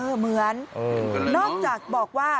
เหมือนนอกจากบอกว่า